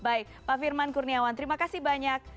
baik pak firman kurniawan terima kasih banyak